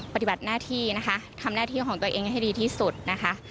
ปฏิบัติหน้าที่นะคะทำหน้าที่ของตัวเองให้ดีที่สุดนะคะ